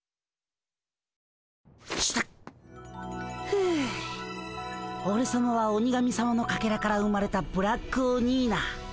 ふうおれさまは鬼神さまのかけらから生まれたブラックオニーナ。